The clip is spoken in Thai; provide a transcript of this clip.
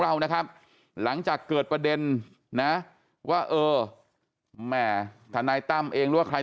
เรานะครับหลังจากเกิดประเด็นนะว่าเออแหม่ธนายตั้มเองหรือว่าใคร